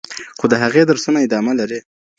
خو د هغې درسونه ادامه لري.